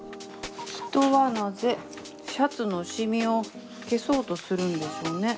人はなぜシャツのシミを消そうとするんでしょうね。